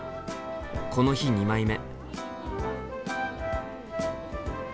この日２枚目。